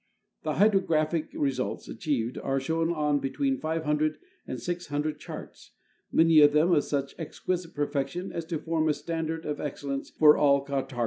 The hydrographic results achieved are shown on between five hundred and six hundred charts, many of them of such exquisite perfection as to form a standard of ex cellence for all cartographers.